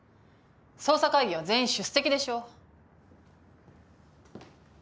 捜査会議は全員出席でしょ。